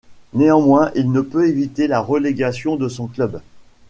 Néanmoins, il ne peut éviter la relégation de son club.